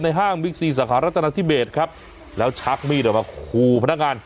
ในห้างวิทยาลัยสารรัฐนาธิเวทครับแล้วชักมีดออกมาคู่พนักงาน